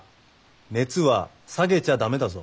熱は下げちゃ駄目だぞ。